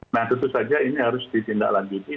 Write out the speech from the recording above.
nah tentu saja ini harus ditindaklanjuti